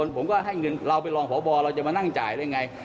ผมก็ให้เงินเราไปรองผ่อบ่อเราจะมานั่งจ่ายอะไรไง